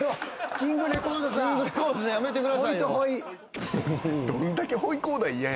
キングレコードさんやめてください。